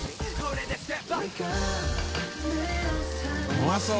うまそう！